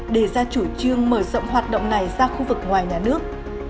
để ra chủ trương mở rộng hoạt động này ra khu vực ngoài nhà nước